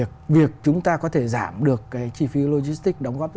một cái phần khác mà chúng ta có thể giảm được cái chi phí logistics đóng góp rất lớn